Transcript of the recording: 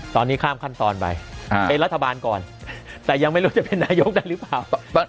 ตอนนี้ข้ามขั้นตอนไปเป็นรัฐบาลก่อนแต่ยังไม่รู้จะเป็นนายกได้หรือเปล่า